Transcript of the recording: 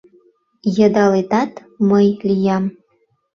Йыдалетат мый лиям